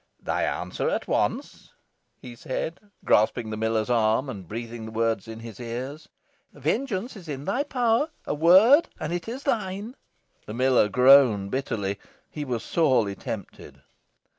"Thy answer at once," he said, grasping the miller's arm, and breathing the words in his ears. "Vengeance is in thy power. A word, and it is thine." The miller groaned bitterly. He was sorely tempted.